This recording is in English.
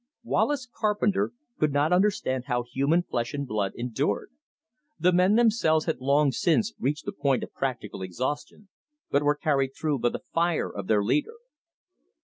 Wallace Carpenter could not understand how human flesh and blood endured. The men themselves had long since reached the point of practical exhaustion, but were carried through by the fire of their leader.